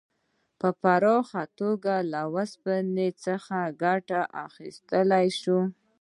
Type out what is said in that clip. په پراخه توګه له اوسپنې څخه ګټه واخیستل شوه.